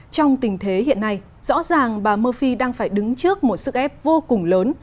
trong tình thế hiện nay rõ ràng bà mophie đang phải đứng trước một sức ép vô cùng lớn